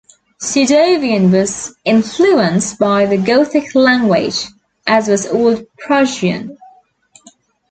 Sudovian was influenced by the Gothic language, as was Old Prussian.